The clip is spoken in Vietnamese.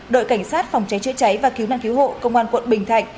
đội cảnh sát phòng cháy chữa cháy và cứu nạn cứu hộ công an quận bình thạnh